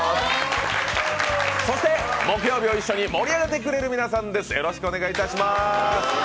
そして、木曜日を一緒に盛り上げてくれる皆さんです。